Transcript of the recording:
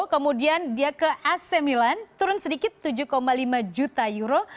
kemudian dia ke ac milan turun sedikit tujuh lima juta euro